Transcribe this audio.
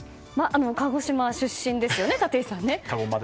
鹿児島出身ですよね、立石さん。